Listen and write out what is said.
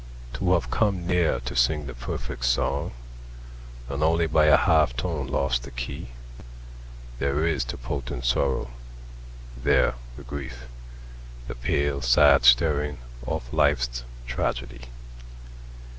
To have come near to sing the perfect song And only by a half tone lost the key, There is the potent sorrow, there the grief, The pale, sad staring of life's tragedy.